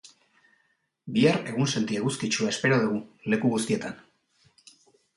Bihar egunsenti eguzkitsua espero dugu leku guztietan.